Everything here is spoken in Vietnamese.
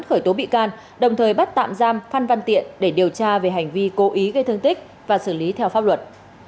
khởi tố bị can đồng thời bắt tạm giam phan văn tiện để điều tra về hành vi cố ý gây thương tích và xử lý theo pháp luật